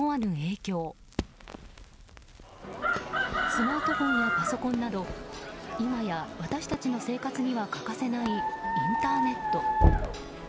スマートフォンやパソコンなど今や私たちの生活には欠かせないインターネット。